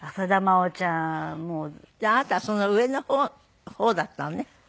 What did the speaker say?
あなたはその上の方だったのね。